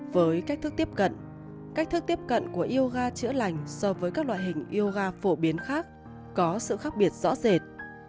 với cách thức tiếp cận cách thức tiếp cận của yoga chữa lành so với các loại hình yoga phổ biến khác có sự khác biệt rõ rệt